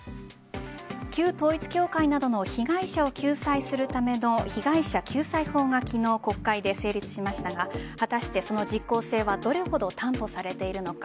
旧統一教会などの被害者を救済するための被害者救済法が昨日、国会で成立しましたが果たして、その実効性はどれほど担保されているのか。